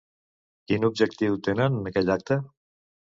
Quin objectiu tenen en aquell acte?